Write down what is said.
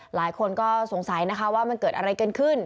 หลายคนก็สงสัยนะคะว่ามันเกิดอะไรกันขึ้น